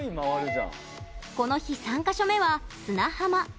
この日、３か所目は砂浜。